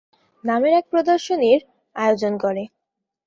নামের এক প্রদর্শনীর আয়োজন করে।